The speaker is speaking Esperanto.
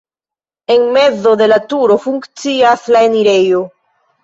En mezo de la turo funkcias la enirejo.